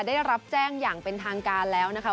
ได้รับแจ้งอย่างเป็นทางการแล้วนะคะ